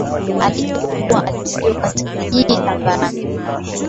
alijibu kuwa alizaliwa katika Kijiji cha Ngarambi